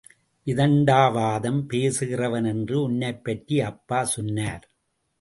விதண்டாவாதம் பேசுகிறவன் என்று உன்னைப்பற்றி அப்பா சொன்னார்.